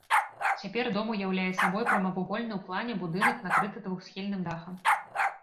Цяпер дом уяўляе сабой прамавугольны ў плане будынак накрыты двухсхільным дахам.